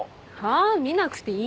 見なくていいから。